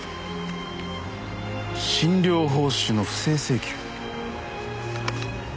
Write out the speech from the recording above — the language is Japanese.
「診療報酬の不正請求」？